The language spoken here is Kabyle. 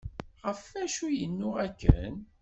Ɣef acu i yennuɣ akken?